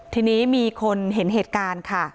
ทีนี้มีคนเห็นเหตุการณ์ค่ะ